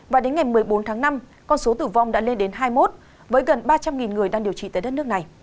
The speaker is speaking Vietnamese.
và đến ngày một mươi bốn tháng năm con số tử vong đã lên đến hai mươi một